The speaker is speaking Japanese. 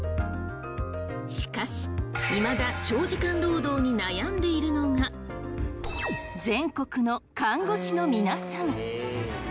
しかしいまだ長時間労働に悩んでいるのが全国の看護師の皆さん！